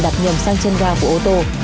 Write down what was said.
đặt nhầm sang chân ga của ô tô